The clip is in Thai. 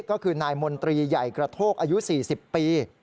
ก็คือนายมนตรีใหญ่กระโทกอายุ๔๐ปี